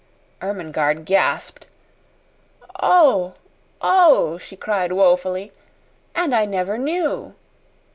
Ermengarde gasped. "Oh, oh!" she cried woefully. "And I never knew!"